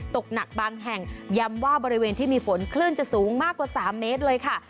ตกหนักบางแห่งย้ำว่าบริเวณที่มีฝนคลื่นจะสูงมากกว่า๓เมตรเลยค่ะ